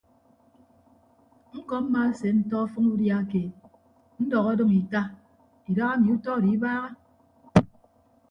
Ñkọ mmaasentọ ọfʌñ udia keed ndọk ọdʌñ ita idaha emi utọ odo ibaaha.